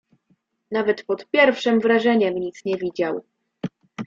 "Nawet pod pierwszem wrażeniem nic nie widział."